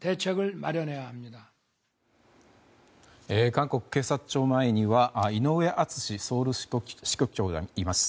韓国警察庁前には井上敦ソウル支局長がいます。